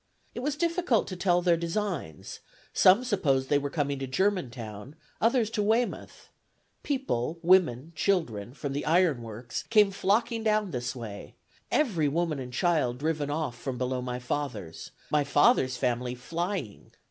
It was difficult to tell their designs; some supposed they were coming to Germantown, others to Weymouth; people, women, children, from the iron works, came flocking down this way; every woman and child driven off from below my father's; my father's family flying.